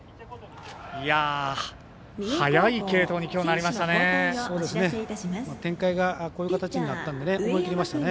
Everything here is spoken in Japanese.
早い継投に、きょうなりましたね。